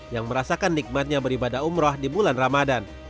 yang merasakan nikmatnya beribadah umroh di bulan ramadan